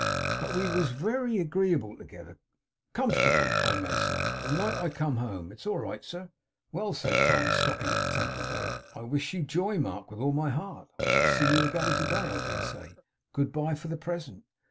But we was wery agreeable together comfortable, I may say the night I come home. It's all right, sir.' 'Well!' said Tom, stopping at the Temple Gate. 'I wish you joy, Mark, with all my heart. I shall see you again to day, I dare say. Good bye for the present.